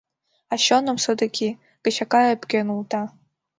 А чоным, содыки, кычака ӧпке нулта.